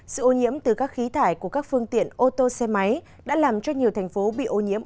sự ô nhiễm từ các khí thải của các phương tiện ô tô xe máy đã làm cho nhiều thành phố bị ô nhiễm